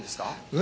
え？